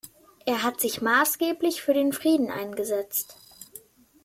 Er hat sich maßgeblich für den Frieden eingesetzt.